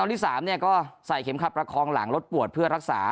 ตอนที่๓เนี่ยก็ใส่เข็มครับรักคลองหลังลดปวดเพื่อรักษา